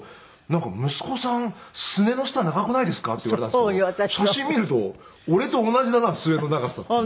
「なんか息子さんすねの下長くないですか？」って言われたんですけど写真見ると俺と同じだなすねの長さと思って。